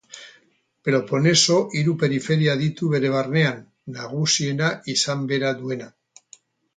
Peloponeso hiru periferia ditu bere barnean, nagusiena izen bera duena.